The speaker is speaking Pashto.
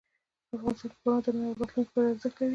افغانستان کې باران د نن او راتلونکي لپاره ارزښت لري.